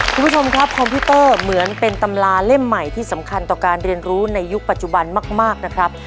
คุณผู้ชมครับคอมพิวเตอร์เหมือนเป็นตำราเล่มใหม่ที่สำคัญต่อการเรียนรู้ในยุคปัจจุบันมากนะครับ